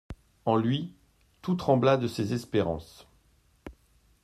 En lui tout trembla de ses espérances.